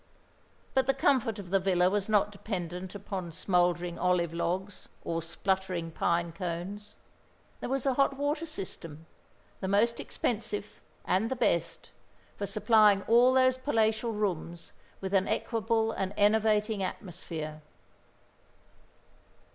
But the comfort of the villa was not dependent upon smouldering olive logs or spluttering pine cones. There was a hot water system, the most expensive and the best, for supplying all those palatial rooms with an equable and enervating atmosphere.